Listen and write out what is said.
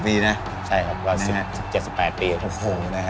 ตั้งจาก๑๗๑๘ปี